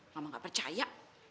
mama gak percaya